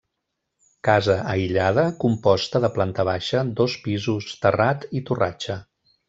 Casa aïllada composta de planta baixa, dos pisos, terrat i torratxa.